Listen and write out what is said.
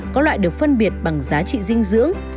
có loại được phân biệt bằng giá trị dinh dưỡng